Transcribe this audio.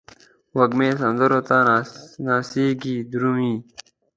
وږمې سندرو ته نڅیږې درومې